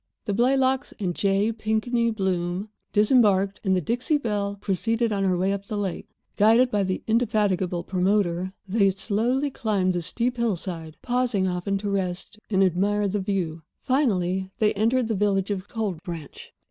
The Blaylocks and J. Pinkney Bloom disembarked, and the Dixie Belle proceeded on her way up the lake. Guided by the indefatigable promoter, they slowly climbed the steep hillside, pausing often to rest and admire the view. Finally they entered the village of Cold Branch.